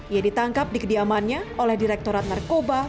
ia ditangkap di kediamannya oleh direktorat narkoba